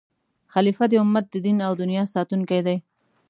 خلیفه د امت د دین او دنیا ساتونکی دی.